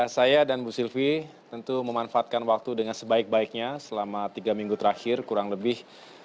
saya dan bu sylvie tentu memanfaatkan waktu dengan sebaik baiknya selama tiga minggu terakhir kurang lebih